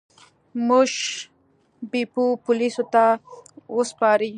موږ بیپو پولیسو ته وسپاره.